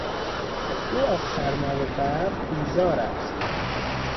او از سرما و برف بیزار است.